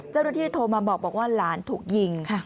เจ้าด้วยที่โทรมาบอกว่าหลานถูกยิง